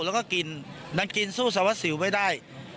แล้วก็กินดันกินสู้สวัสดิ์สิวไปได้